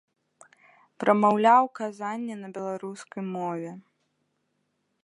Прамаўляў казанні на беларускай мове.